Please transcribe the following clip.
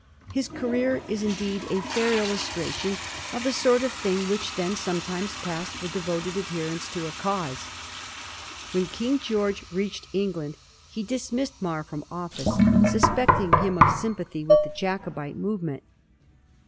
His career is indeed a fair illustration of the sort of thing which then sometimes passed for devoted adherence to a cause. When King George reached England, he dismissed Mar from office, suspecting TiiTTi of sympathy with the Jacobite movement.